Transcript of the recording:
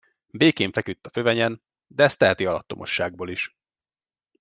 Békén feküdt a fövenyen, de ezt teheti alattomosságból is.